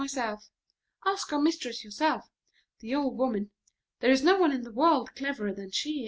Ask our mistress, the old woman there is no one in the world wiser than she.